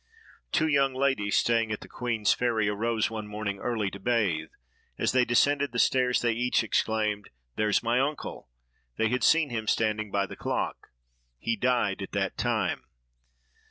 Two young ladies, staying at the Queen's Ferry, arose one morning early to bathe; as they descended the stairs, they each exclaimed: "There's my uncle!" They had seen him standing by the clock. He died at that time.